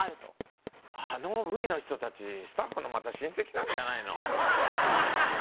あのＶの人たちスタッフの親戚なんじゃないの？